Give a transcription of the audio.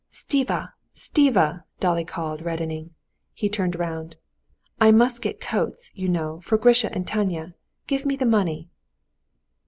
"Stiva! Stiva!" Dolly called, reddening. He turned round. "I must get coats, you know, for Grisha and Tanya. Give me the money."